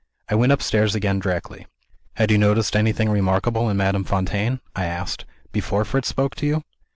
I went upstairs again directly." "Had you noticed anything remarkable in Madame Fontaine," I asked, "before Fritz spoke to you?"